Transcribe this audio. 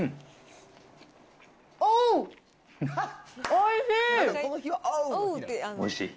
おいしい。